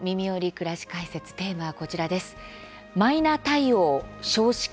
くらし解説」テーマは、こちらです。